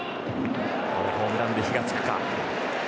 このホームランで火が付くか。